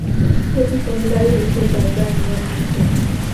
প্রতি শনিবারে দেশে যাইবার নিয়ম আছে।